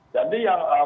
jadi yang memerlukan